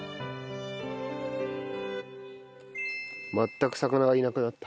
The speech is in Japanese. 全く魚がいなくなった。